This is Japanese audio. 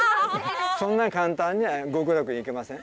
そんな簡単には極楽へ行けません。